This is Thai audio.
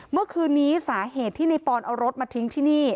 เมื่อคืนนี้สาเหตุที่ในปอนเอารถมาทิ้งที่นี่